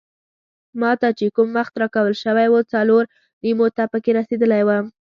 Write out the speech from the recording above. ما ته چې کوم وخت راکول شوی وو څلور نیمو ته پکې رسیدلی وم.